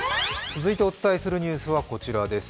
続いてお伝えするニュースはこちらです。